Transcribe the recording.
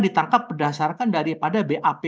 ditangkap berdasarkan daripada bap